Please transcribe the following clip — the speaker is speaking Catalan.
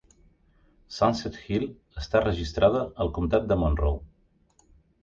Sunset Hill està registrada al comtat de Monroe.